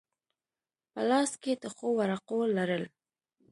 په لاس کې د ښو ورقو لرل.